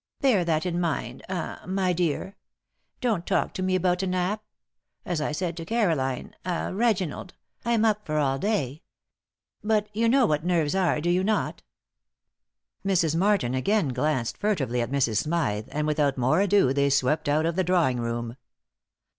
Bear that in mind ah my dear. Don't talk to me about a nap. As I said to Caroline ah Reginald, I'm up for all day. But you know what nerves are, do you not?" Mrs. Martin again glanced furtively at Mrs. Smythe, and without more ado they swept out of the drawing room.